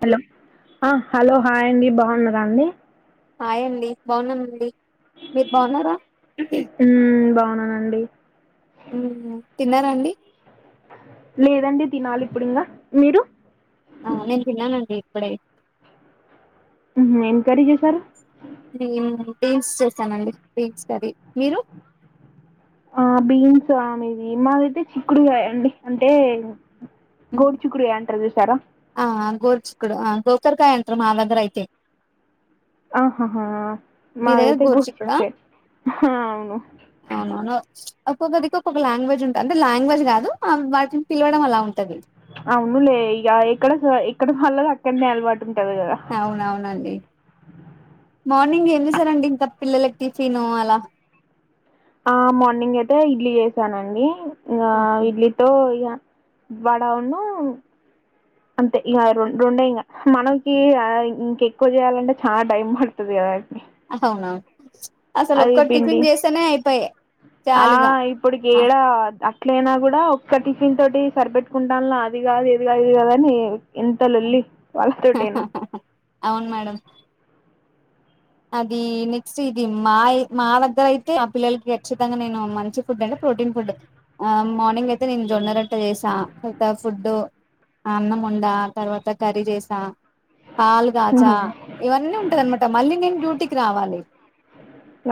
Hello ఆహ్ hello hi అండి బావున్నరా అండి హాయండి బావున్నానండి మీర్ బావున్నారా అవునండి తిన్నారండి లేదండి తినాలి ఇప్పుడు ఇంక మీరు ఆహ్ నేన్ తిన్నానండి ఇప్పుడే మ్మ్ హు ఎం కర్రీ చేసారు నేను బిన్స్ చేసానండి బిన్స్ కర్రీ మీరు ఆహ్ బీన్సు ఆ మీది మాదైతే చిక్కుడుగాయండి అంటే గోరు మ్మ్. చుక్కిడుగాయ్ అంటార్ చూసారా చిక్కుడు ఆహ్ గొక్కరకాయ అంటరు మాదగ్గర అయితే ఆహాహా మీ దగ్గర మాదైతే గోర్ గోరుచిక్కుడా చిక్కుడే ఆహ్ అవును ఒక్కొక్క దిక్కు ఒక్కొక్క లాంగ్వేజ్ ఉంటాంది లాంగ్వజ్ గాదు ఆహ్ వాటిని పిలవడం అలా ఉ. అవులే ఇగ ఇక్కడ స ఇక్కడ హలో అక్కడనేల్బడ్ అవును అవునండి మార్నింగ్ ఏమి చేసారండి ఇంకా పిల్లలకు టిఫిను అలా ఆ మార్నింగ్ అయితే ఇడ్లీ చేసానండి ఇక ఓకే ఇడ్లీతో ఇగ వడాను అంతే ఇక రెండే ఇంకా మనకి ఇంక ఎక్కువ చేయాలంటే చాలా టైం పడుతుది కదా అవునా అది పిండి ఆ చాలుగా ఆ. ఇప్పుడుకిడా ఎట్లైనా కూడా ఒక్క టిఫిన్ తోటి సరిపెట్టుకుంటాలా అది కాదు ఇది కాదు ఇది కాదని ఎంతలోల్లి వాళ్ళతొటేనా అవును మేడం అది నెక్స్ట్ ఇది మాఇ మా దగ్గర అయితే ఆ పిల్లలకి ఖచ్చితంగా నేను మంచి ఫుడ్ అంటే ప్రోటీన్ ఫుడ్ ఆ మార్నింగ్ అయితే నేను జొన్న రొట్టె చేసా తర్వాత ఫుడ్ అన్నం వండ తర్వాత కర్రీ చేసా పాలుగాచ ఇవన్నీ ఉంటదనమాట మళ్ళీ నేను తుటికిరావాలి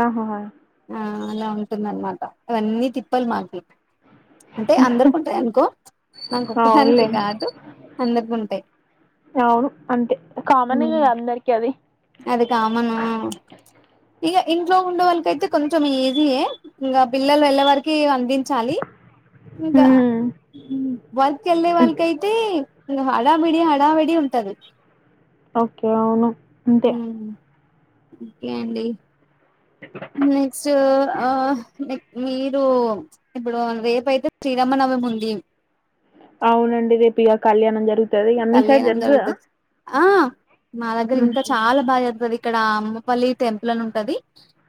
ఆహా అ అలా ఉంటుంది అన్నమాట అవన్నీ తిప్పలు మాకి అంటే అందరికుంటాయి అనుకో నాకొక్కదానికి అవునులే కాదు అందరికుంటాయి అవును అంతే కామన్ కదా అందరికి అది అది కా ఉ ఇక ఇంట్లో ఉండేవాళ్ళకి అయితే కొంచెం ఈజీయె ఇంకా పిల్లలు వెళ్ళే వారికి చాలి ఇంకా వర్క్ క్కి వెళ్ళే వాళ్ళకి అయితే హడాబడి హడాబడి ఉంటది ఓకే అవును అంతే కే అండి నెక్స్ట్ ఆ న మీరు ఇప్పుడు రేపు అయితే శ్రీరామనవమి ఉంది అవునండి రేపు కళ్యాణం జరుగుతుంది అద అమ్మీ సైడ్ కళ్యాణం జర్జ జరుగుతది ఆ మా దగ్గర ఇంకా చాలా బాగా చేతుది ఇక్కడ ఉమ్మపల్లి టెంపుల్ అని ఉంటది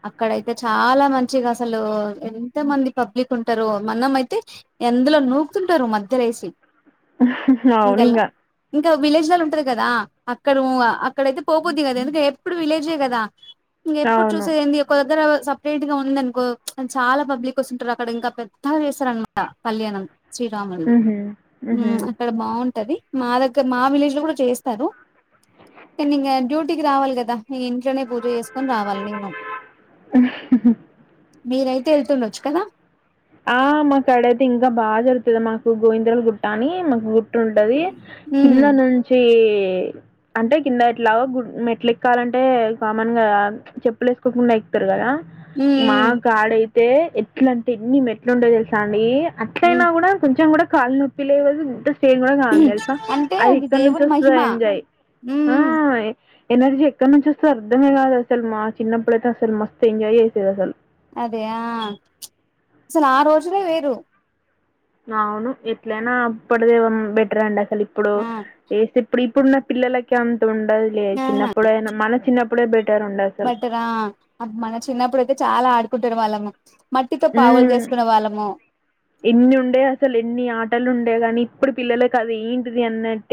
అక్కడయితే చాలా మంచిగా అసలు ఎంత మంది పబ్లిక్ ఉంటారు మనం అయితే ఎందులో నూకుతుంటారు మధ్య వేసి అవునింగా ఇంకా విలేజ్ లో ఉంటది కదా అక్కడ అక్కడయితే పోకద్ది కదా ఎందుకే ఎప్పుడు విలేజే కదా ఇంక ఎప్పుడు అవును చూసేది ఏంది కొద్దర సపరేట్ గా ఉంది అనుకో చాలా పబ్లిక్ వస్తుంటారు అక్కడ ఇంకా పెద్దగా చేస్తార అనమాట కళ్యాణం శ్రీరాముల్నీ హుహు. హుహు. అక్కడ బాగుంటది మా దగ్గర మా విలేజ్ లో కూడా చేస్తారు కానీ ఇంకా డ్యూటీకి రావాలి కదా మీ ఇంట్లోనే పూజ చేసుకుొని రావాలి నేను మీరైతే వెళ్తుండొచ్చు కదా ఆ మాక్కడ అయితే ఇంకా బాగా జరుగుతుంది మాకు గోవింద్రలు గుట్ట అని మాకు గు ఉంటది కింద ఉమ్ నుంచి అంటే కింద ఎట్లా గు మెట్లు ఎక్కాలంటే కామన్ గా చెప్పులు వేసుకోకుండా ఎక్కుతారు కదా ఉమ్ మాకాడై అ ఎట్లా అంటే ఎన్ని మే ట్లు ఉంటాయి తెలుసా అండి అట్ల ఉమ్ ఉన్న కూడా కొంచెం కూడా కాల నొప్పి లెవ్ అసలు చేన్ కూడా ఉమ్ కాది తెలుసా అంటే అవి అది ఇక్కడ నుంచి దేవుని వస్తుంది మహిమ ఏంజాయ్ ఉమ్ ఆ ఉమ్ ఎనర్జీ ఎక్కడి నుంచి వస్తే అర్ధమే కాదు అసలు మా చిన్నప్పుడు అయితే అసలు మస్ ఎంజాయ్ చేసేది అసలు అదే ఆ అసలు ఆ రోజలే వేరు అవును ఎట్లేనాప్పుడుదవా బెటర్ అండా అసలు ఇప్పుడు ఆ ఏసి ఇప్పుడు ఇప్పుడున్న పిల్లకి ఉండదు లే ఆహా చిన్నప్పుడుైనా మన చిన్నప్పుడు ఇపుడే బే బట్టరా అ మన చిన్నప్పుడుయితే చాలా ఆడు కుటరు వాళ్ళ మ మ్మ్ ఎన్ని ఉండే అసలు ఎన్ని ఆటలుండే ంటే గాని ఇప్పుడు పిల్లలకి అది ఏంటిది అన్నట్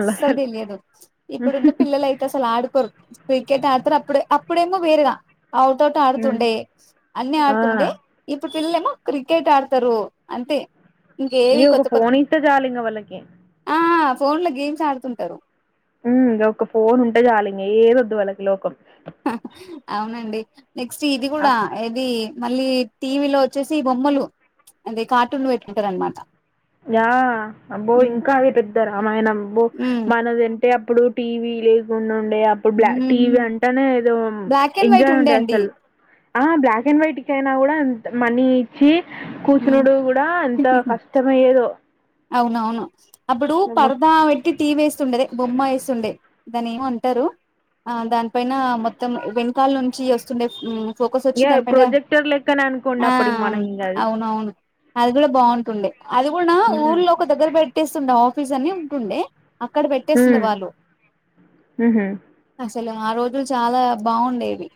అస్సలు తెలియదు ఇప్పుడున్న పిల్లల అయితే అసలు ఆడుకోరు క్రికెట్ ఆడతారు అప్పుడుే ఇప్పుడేమో వేరుగ అవు తోటి హ్మ్. ఆడుతుండే అన్ని ఆ ఆడుతుండే ఇప్పుడు పిల్ల ఏమో క్రికెట్ ఆడతారు అంతే ఇంకేవి ఇగో ఒక కొత్త కొత్త ఫోన్ ఇస్తే చాలింగ వాళ్ళకి ఆ ఫోన్ లో గేమ్స్ ఆడుతుంటారు ఇంక ఒక ఫోన్ ఉంటే చాలు ఇంకా ఏద వద్దు వాళ్ళకి లోకం అవునండి నెక్స్ట్ ఇది కూడా అప్ ఇది మళ్ళీ టీవీలో వచ్చేసి బొమ్మలు అదే కార్టూన్ పెట్టుకుంటారు అనమాట అబ్బో ఉమ్ ఇంకా అవి పెద్ద రామాయణ అబ్బో ఉమ్ మనది ఎ అంటే అప్పుడు టీవీ లేకుండా అప్పుడు బ్లాక్ ఉమ్ టీవీ అంటేనే ఏదో బ్లాక్ అండ్ వైట్ ఎంజాయ్ ఉండే అండి అసలు ఆ బ్లాక్ అండ్ వైట్క అయినా కూడాంత మనీ ఇచ్చి కూర్చునుడు కూడా అంత కష్టం అవునవును అప్పుడు అమ్మ పరదా పెట్టి టీ వేస్తుండది బొమ్మ వేస్ ఉండే దాని ఏమో అంటారు ఆ దానిపైన మొత్తం వెనకాల నుంచి వస్తుండే. ఫోకస్ వచ్చి యా దానిపైన ప్రొజెక్టర్ లెక్కనే అనుకోండి అప్పటికి మన ఇంకాది అవున అవును అది కూడా బాగుంటుండే అది కూడా ఉమ్ ఊర్లో ఒక దగ్గర పెట్టేస్తుండవు ఆఫీస్ అని ఉంటుండే అక్కడ పెట్టేసింది ఉమ్ వాళ్ళు ఉహు ఆ రోజులు చాలా బాగుండేవి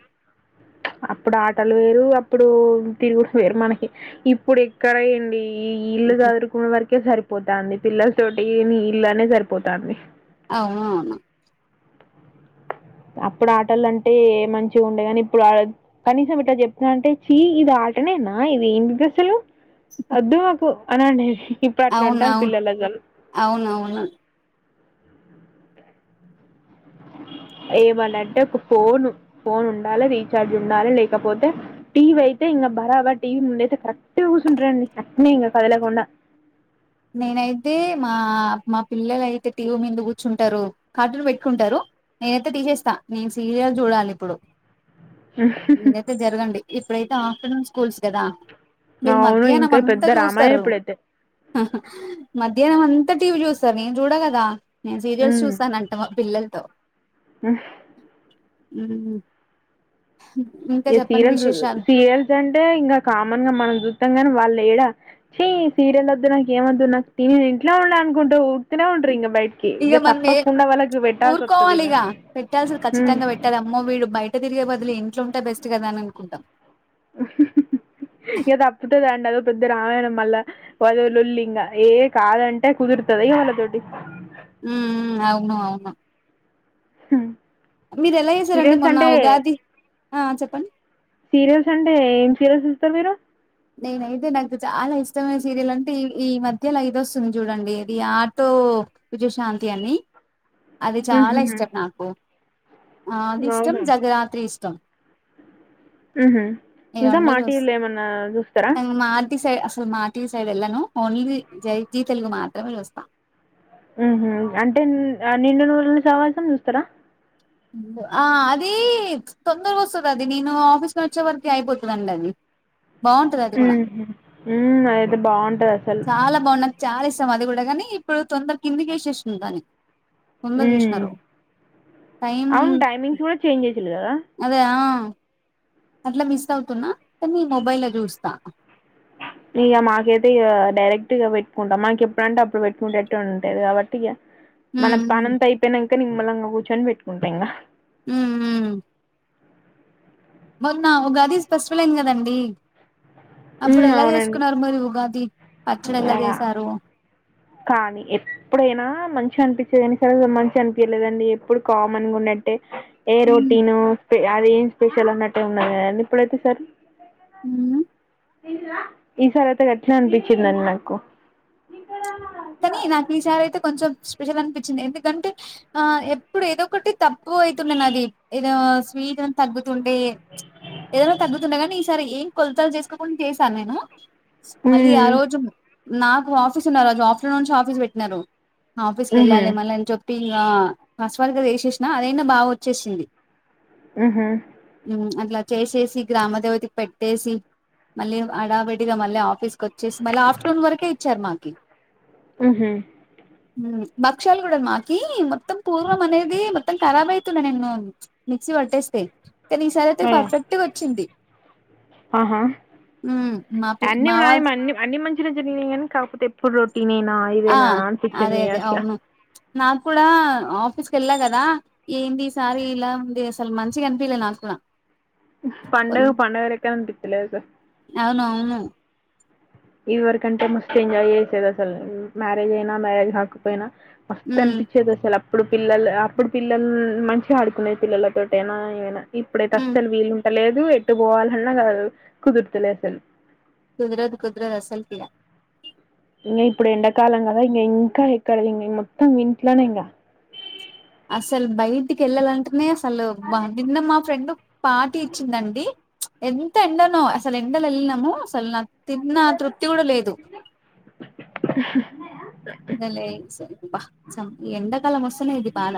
అప్పుడు ఆటలు వేరు అప్పుడు తిరుగు వేరు మనకి ఇప్పుడు ఎక్కడయండి ఈ ఇల్లుగాదురుకున్న వరకే సరిపో సపోతంది పిల్లల తోటి నీ ఇళ్ళనే సరిపోతంది అవునా అవును అప్పుడు ఆటలు అంటే మంచిగా ఉండే కానీ ఇప్పుడు కనీసం ఇట్లా చెప్తున్నా అంటే చీ ఇది ఆటనేనా ఇది ఏంటి అసలు అదు మాకు అనండి ఇప్పుడు అట్లా అంట అవునవును పిల్లలగా అవునవును ఏమన్నంటే ఒక ఫోన్ ఫోన్ ఉండాలి రీచార్జ్ ఉండాలి లేకపోతే టీవీ అయితే ఇంకా బరాబ టీవీ ఉండయితే కరెక్ట్ కూర్చుంటారండి చక్కనే ఇంకా కదలకుండా. నేనైతే మా మా పిల్లలు అయితే టీవీ మీద కూర్చుంటారు కార్టన్ పెట్టుకుంటారు నేనైతే టీసేస్తా నేను సీరియల్ చూడాలి ఇప్పుడు. ననైతే జరగండి ఇప్పుడైతే ఆఫ్టర్నూన్ స్కూల్స్ కదా మీరు అవును మధ్యాహ్నం ఇంకా పెద్ద అంతా రామాయణ చూస్తారు ఇప్పుడైతే మధ్యాహ్నం అంతా టీవీ చూస్తారు నేను చూడ కదా నే సీరియల్స్ ఉమ్ చూసా అ నటుమ్ పల్లలు ఉ ఏ సీరియల్ సీరియల్స్ అంటే ఇంకా కామన్ గా మనం చూస్తాం కానీ వాళ్ళ లేడా చే సీరియల్ వద్దు నాకు ఏం వద్దు నాకు త ఇంట్లో ఉండాల అనుకుంటూ ఊడుతనే ఉండ్ర ఇంకా బయట. ఇక మనం ఏ ఊరుకోవాలి ఇక పెట్టాల్సలు ఉమ్ ఖచ్చితంగా పెట్టాలారు అమ్మో వీడు బయట తిరిగే బదులీ ఇంట్లో ఉంటే బెస్ట్. కదా అని అనుకుంటాం ఇంక తప్పతేదండి అద పెద్ద రామాయణం మళ్ళా వధలుల్లింగా ఏ కాదంటే కుదురుతుంది ఇ వాళ్ళతోటి ఉ అవును అవును హ మీరు ఎలా చేసారండి మొన్న ఉగాది ఆ చెప్పండి సీరియల్స్ అంటే ఏం సీరియల్స్ ఇస్తారు మీరు నేనయితే నాకు చాలా ఇష్టమైన సీరియల్ అంటే ఈ ఈ మధ్యలో ఐదొస్తుంది చూడండి ఇది ఆటో విజయశాంతి అని. అది చాలా ఉహు ఇష్టం నాకు ఆ అది ఇష్టం అవునా జగరాత్రి ఇష్టం ఊహూ ఇంకా మా టీ వీ లో ఏమన్నా జూస్ తంగ మా [unintelligible] [unintelligible] సై అసలు మా టి వి సైడ్ వెళ్ళను ఓన్లీ దీ జై జీ తెలుగు మాత్రమే చూస్తా ఊహూ అంటే ఆ నిండు [unintelligible] చూస్తారా ఆ అది తొందరగా వస్తుది అది నేను ఆఫీస్ [unintelligible] వచ్చే వరకి అయిపోతుందండి అది బాగుంటది అది కూడా ఊహూ ఊ అదైతే బావుంటాది అసలు తం అది కూడా కానీ ఇప్పుడు తొందరకి కిందికేషేష్నా దాన్ని హ్మ్. తొందరగేష్నారు అవును టైమింగ్స్ కూడా చేంజ్ చేసిల్లు కదా అదే ఆ అట్లా మిస్ అవుతున్నా కానీ మొబైల్ లో చూస్తా ఇగ మాకైతే ఇగ డైరెక్ట్ గా పెట్టుకుంటాం మాకు ఎప్పుడంటే అప్పుడు పెట్టుకుంటేట్టు ఉంటేది కాబట్టి ఇగ మన ఉమ్ పనంతైపోయిన నిమ్మలంగా కూర్చొని పెట్టుకుంటా ఇంగ ఉమ్మ్ మ్మ్ మొన్న ఉగాది స్పెస్టివల్ అయ్యింది కదండి అప్పుడు ఉమ్ ఎలా అవునండి చేసుకున్నారు మరి ఉగాది పచ్చడి ఎలా ఆ చేసారు కానీ ఎప్పుడైనా మంచిగా అనిపించే కానీ స [unintelligible] మంచిగా అనిపించలేదండి ఎప్పుడు కామన్ గా ఉన్నట్టే ఏ ఉమ్ రోటీన్ అది ఏం స్పెషల్ అన్నట్టే ఉన్నది కదండి ఇప్పుడైతే సారి ఉమ్ ఈ సారి అయితే గట్నే అనిపించిందిండి నాకు కానీ నాకు ఈసారి అయితే కొంచెం స్పెషల్ అనిపించింది ఎందుకంటే ఆ ఎప్పుడు ఏదో ఒకటి తక్కవ ఐతుంది నాది ఏదో స్వీట్ ఏం తగ్గుతుండే ఏదన్నా తగ్గుతుండే కానీ ఈసారి ఏం కొలతలు చేసుకోకుండా చేశాను నేను మళ్ళీ ఆ ఉమ్, రోజు నాకు ఆఫీస్ ఉన్న రోజు ఆఫ్ టు నుంచి ఆఫీస్ పెట్టినారు ఉహు, ఆఫీస్కెళ్ళాలి మళ్ళ ని చెప్ టింగ ఫస్వరకైతే వేసేసినా అదైనా బాగా వచ్చేసింది ఊహూ ఉమ్, అట్లా చేసేసి గ్రామ దేవతకి పెట్టేసి మళ్ళీ హడావిడిగా మళ్ళీ ఆఫీస్కి వచ్చేసి మళ్ళీ ఆఫ్టర్నూన్ వరకే ఇచ్చారు మాకి ఊహూ ఉమ్మ్ భక్ష్యాలు కూడా మాకి మొత్తం పూర్వం అనేది మొత్తం ఖరాబ్ అయితుండె నేను మిక్సీ పట్టేస్తే కానీ ఈసారి అయితే అయ్యో, పర్ఫెక్ట్గా వచ్చింది ఆహా ఉమ్మ్ మా ప మా వా [unintelligible] జరిగినయ్ గానీ కాకపోతే ఎపుడూ రో ఈనేనా ఆ ఇదేనా అదే అన్పిచ్చింది అదే అట్లా అవును నాకు కూడా ఆఫీస్ కెళ్ళలా కదా ఏంది ఈ సారి ఇలా ఉంది అసలు మంచిగా అనిపిలే నాకు కూడా పండగ కొన్- పండగ లెక్కననిపిత్తలే అస ఉమ్ ఇదివరకంటే మస్ట్ ఎంజాయ్ చేసేది అసలు మ్యారేజ్ అయినా మ్యారేజ్ హకపోయినా మస్త్ అని పిచ్చేది అసలు అప్ ఇప్పుడు పిల్లల్ అప్పుడు పిల్లల్ మంచిగా ఆడుకునే పిల్లలతోటేనా ఏమైనా. ఇప్పుడైతే ఉమ్ అస్సలు వీలుంటలేద్ దు ఎట్టు పోవాలన్నా కాదు కుదుర్తలే అసలు. కుదరదు కుదరదు అసల్కి ఇగ ఇంగ ఇప్పుడు ఎండాకాలం కదా ఇంగ ఇంకా ఎక్కడ ఇంగ మొత్తం ఇంట్లోనే ఇంగా అసలు బయటికి ఎల్లాలంటనే అస్ సలు బ్బా నిన్న మా ఫ్రెండ్ పార్టీ ఇచ్చిందండి. ఎంత ఎండనో అసలు ఎండల ఎల్లినము సల్ నా తిన్నా తృప్తి కూడా లేదు డలే సరి బా సం ఎండ కాలం వస్తనే ఇది బాధ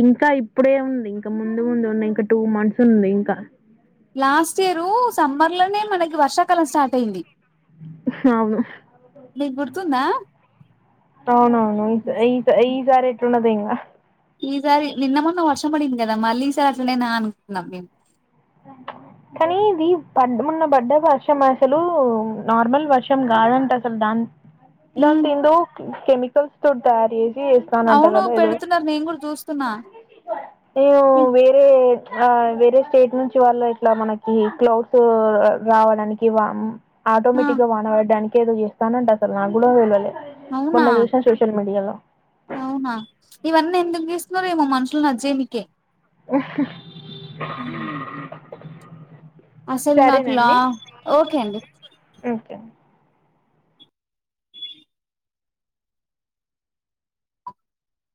ఇంకా ఇప్పుడే ఉంది ఇంకా ముందు ముందు ఉన్నయి ఇంకా టూ మంత్స్ ఉంది ఇంకా. లాస్ట్ ఇయరు సమ్బర్ లనే మనకి వర్షాకాలం స్టార్ట్ అయింది. హవును మీకు గుర్తుందా అవునవును ఈస్ ఈస్ సారి ఎట్లున్నదో ఇంగ ఈసారి నిన్న మొన్న వర్షం పడింది కదా మళ్ళీ ఈ సారి అట్లనేనా అనుకున్నాం మేము. కనీ ఇది పడ్ మొన్న బడ్డ వర్షం అసలు నార్మల్ వర్షం కాదంట అసలు దాన్ దం ఉమ్, తిందు కెమికల్స్ తోటి తయారు చేస్ సి ఇస్తానంట అవును కదా ఏదో పెడుతున్నారు నేను కూడా చూస్తున్నా ఎవో ఏ, వేరే ఆ వేరే స్టేట్ నుంచ్ చి వాళ్ళు ఇట్లా మనకి క్లౌడ్స్ రావడానికి వామ్ ఆ ఆటోమాటిక్గా వాన వడ్డానికి వడడ్డానిక్ కెదో చేస్తానంట అసలు మాగూడ తెల్వలే అవునా మొన్న జూశా సోషల్ మీడియాలో అవునా ఇవన్నీ ఎందుకు చేస్తున్నారు ఏమో మనుషుల్ నజ్జేయినికే [unintelligible] [unintelligible] అసలు నాకు లా సరేనండి ఓకే అండి ఓకే అండి